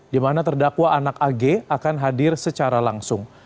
di mana terdakwa anak ag akan hadir secara langsung